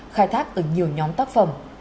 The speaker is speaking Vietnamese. khai thác ở nhiều nhóm tác phẩm